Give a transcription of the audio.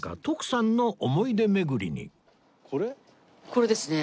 これですね。